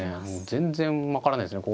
全然分からないですね